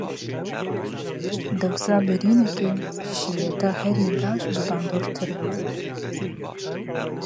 Dewsa birînekê, ji şîreta herî baş bibandortir e.